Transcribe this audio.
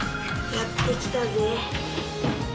やって来たぜ。